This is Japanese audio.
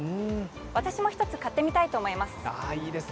私も１つ買ってみたいと思います。